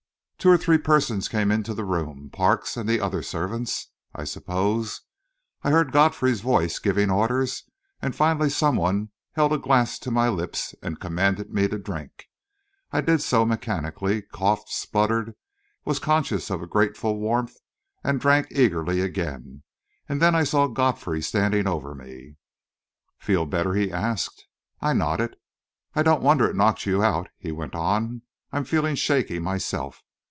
Two or three persons came into the room Parks and the other servants, I suppose; I heard Godfrey's voice giving orders; and finally someone held a glass to my lips and commanded me to drink. I did so mechanically; coughed, spluttered, was conscious of a grateful warmth, and drank eagerly again. And then I saw Godfrey standing over me. "Feel better?" he asked. I nodded. "I don't wonder it knocked you out," he went on. "I'm feeling shaky myself.